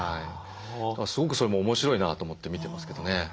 すごくそれも面白いなと思って見てますけどね。